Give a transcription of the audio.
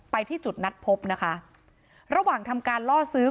ที่จุดนัดพบนะคะระหว่างทำการล่อซื้อ